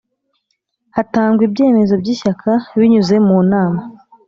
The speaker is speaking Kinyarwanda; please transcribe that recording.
hatangwa ibyemezo by Ishyaka binyuze mu nama